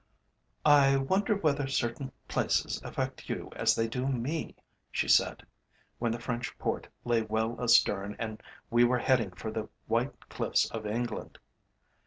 "I wonder whether certain places affect you as they do me," she said, when the French port lay well astern and we were heading for the white cliffs of England.